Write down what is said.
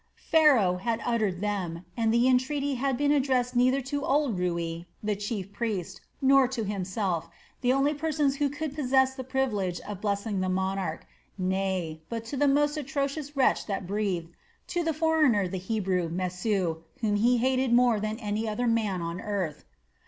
Pharaoh had uttered them, and the entreaty had been addressed neither to old Rui, the chief priest, nor to himself, the only persons who could possess the privilege of blessing the monarch, nay but to the most atrocious wretch that breathed, to the foreigner the Hebrew, Mesu, whom he hated more than any other man on earth.